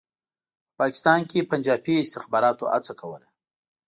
په پاکستان کې پنجابي استخباراتو هڅه کوله.